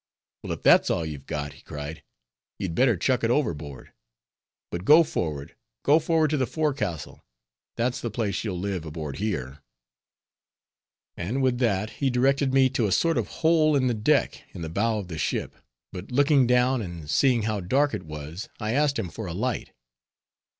"Well if that's all you've got," he cried, "you'd better chuck it overboard. But go forward, go forward to the forecastle; that's the place you'll live in aboard here." And with that he directed me to a sort of hole in the deck in the bow of the ship; but looking down, and seeing how dark it was, I asked him for a light.